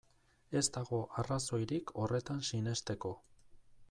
Ez dago arrazoirik horretan sinesteko.